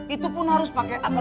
itu pun harus pakai x dan y lain